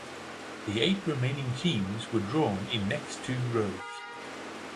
The eight remaining teams were drawn in next two rows.